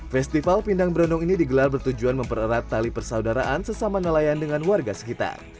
festival pindang brondong ini digelar bertujuan mempererat tali persaudaraan sesama nelayan dengan warga sekitar